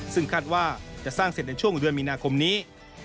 ซึ่งคาดว่าจะสร้างเสร็จในช่วงเดือนมีนาคมนี้